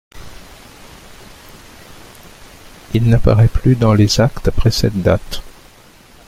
Il n'apparaît plus dans les actes après cette date.